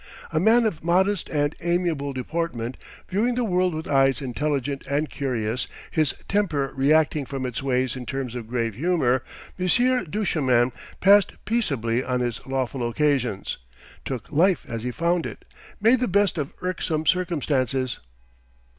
A man of modest and amiable deportment, viewing the world with eyes intelligent and curious, his temper reacting from its ways in terms of grave humour, Monsieur Duchemin passed peaceably on his lawful occasions, took life as he found it, made the best of irksome circumstances.